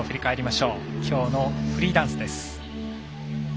きょうのフリーダンスです。